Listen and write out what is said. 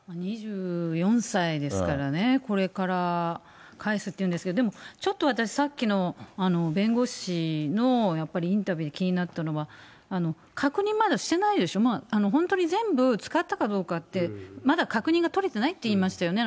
２４歳ですからね、これから返すっていうんですけど、ちょっと私、さっきの弁護士のやっぱりインタビューで気になったのは、確認まだしてないでしょ、本当に全部使ったかどうかって、まだ確認が取れてないって言いましたよね。